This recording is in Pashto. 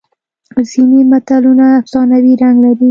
ځینې متلونه افسانوي رنګ لري